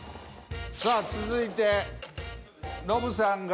さあ続いてノブさんが。